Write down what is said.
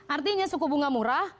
artinya suku bunga murah